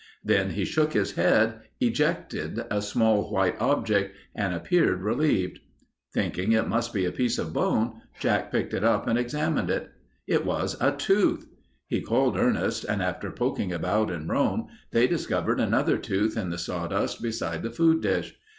Then he shook his head, ejected a small white object, and appeared relieved. Thinking it must be a piece of bone, Jack picked it up and examined it. It was a tooth! He called Ernest, and after poking about in Rome, they discovered another tooth in the sawdust beside the food dish.